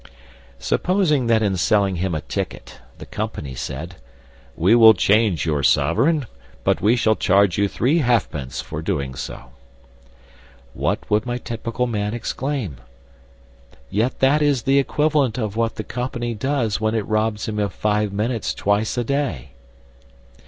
Supposing that in selling him a ticket the company said, "We will change you a sovereign, but we shall charge you three halfpence for doing so," what would my typical man exclaim? Yet that is the equivalent of what the company does when it robs him of five minutes twice a day.